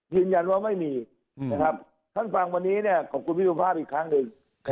ยืนยันว่าไม่มีนะครับท่านฟังวันนี้เนี่ยขอบคุณพี่สุภาพอีกครั้งหนึ่ง